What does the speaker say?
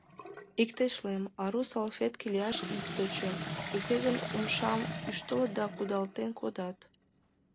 Иктешлем: ару салфетке лияш ит тӧчӧ, уке гын умшам ӱштылыт да кудалтен кодат.